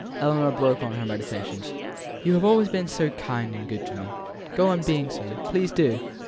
Ellinor broke on her meditations: "You have always been so kind and good to me, go on being so please, do!